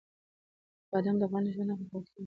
بادام د افغانانو ژوند اغېزمن کوي.